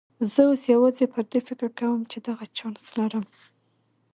زه اوس یوازې پر دې فکر کوم چې دغه چانس لرم.